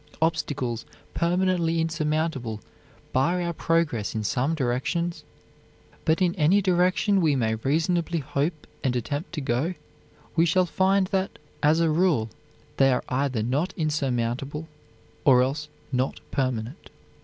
Obstacles permanently insurmountable bar our progress in some directions, but in any direction we may reasonably hope and attempt to go we shall find that, as a rule, they are either not insurmountable or else not permanent.